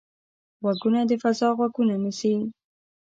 غوږونه د فضا غږونه نیسي